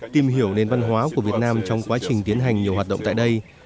tìm hiểu nền văn hóa của việt nam trong quá trình tiến hành nhiều hoạt động tại đây